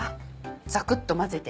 ザクっと混ぜて。